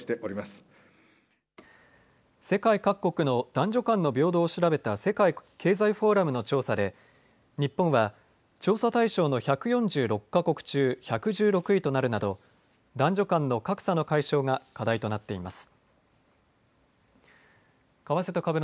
男女間の平等を調べた世界経済フォーラムの調査で、日本は調査対象の１４６か国中１１６位となるなど、男女間の格差の解消が課題となっています。